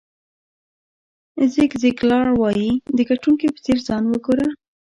زیګ زیګلر وایي د ګټونکي په څېر ځان وګوره.